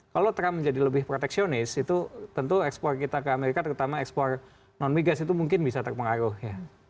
kalau trump menjadi lebih proteksionis itu tentu ekspor kita ke amerika terutama ekspor non migas itu mungkin bisa terpengaruh ya